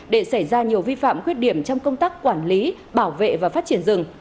để xảy ra nhiều vi phạm khuyết điểm trong công tác quản lý bảo vệ và phát triển rừng